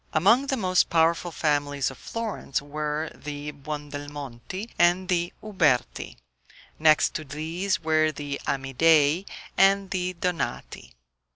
Among the most powerful families of Florence were the Buondelmonti and the Uberti; next to these were the Amidei and the Donati.